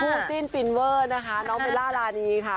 ผู้ติ้นปินเวอร์นะคะน้องเบลล่าร้านนี้ค่ะ